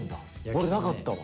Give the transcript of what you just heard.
俺なかったわ。